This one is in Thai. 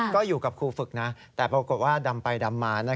ก็อยู่กับครูฝึกนะแต่ปรากฏว่าดำไปดำมา